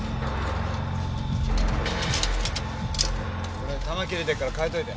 これ球切れてっから替えといて。